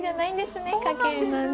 かけるのね。